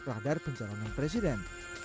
radar pencarian presiden